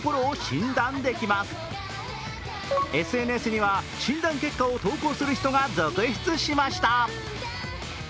ＳＮＳには、診断結果を投稿する人が続出しました。